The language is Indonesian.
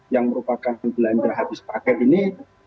yang merupakan belanja habis pakai ini